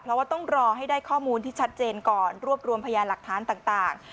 เพราะว่าต้องรอให้ได้ข้อมูลที่ชัดเจนก่อนรวบรวมพยานหลักฐานต่าง